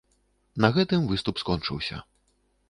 На гэтым выступ скончыўся.